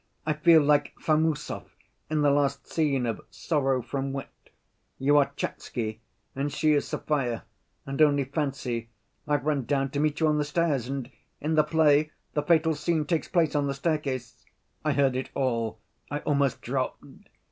I feel like Famusov in the last scene of Sorrow from Wit. You are Tchatsky and she is Sofya, and, only fancy, I've run down to meet you on the stairs, and in the play the fatal scene takes place on the staircase. I heard it all; I almost dropped.